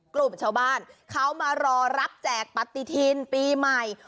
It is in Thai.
กลุ่มชาวบ้านเขามารอรับแจกปฏิทินปีใหม่